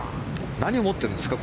何を持ってるんですか？